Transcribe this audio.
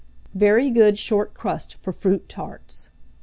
VERY GOOD SHORT CRUST FOR FRUIT TARTS.